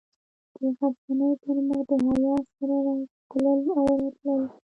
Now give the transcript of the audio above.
د غرڅنۍ پر مخ د حیا سره تلل او راتلل.